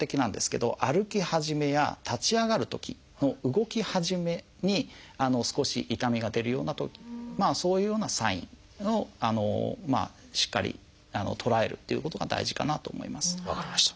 歩き始めや立ち上がるときの動き始めに少し痛みが出るようなそういうようなサインをしっかり捉えるっていうことが大事かなと思います。